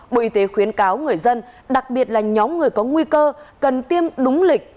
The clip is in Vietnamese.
bộ y tế khuyến cáo người dân đặc biệt là nhóm người có nguy cơ cần tiêm đúng lịch